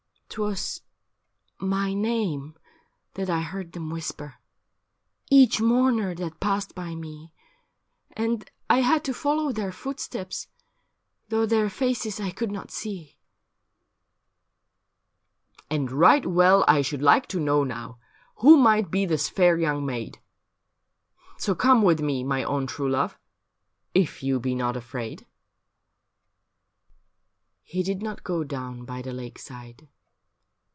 * 'Twas my name that I heard them whisper, Each mourner that passed by me ; 32 THE FETCH: A BALLAD And I had to follow their footsteps, Though their faces I could not see.' ' And right well I should like to know, now, Who might be this fair young maid. So come with me, my own true love. If you be not afraid.' He did not go down by the lakeside.